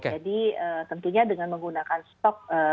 jadi tentunya dengan menggunakan stok